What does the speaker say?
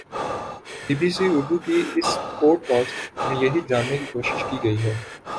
be B C Urdu کی اس podcast میں یہی جاننے کی کوشش کی گئی ہے